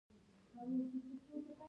خو دا امکان هم و چې حالات به سم او ښه شي.